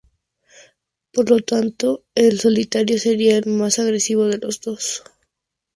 Por lo tanto, el solitario sería el más agresivo de los dos.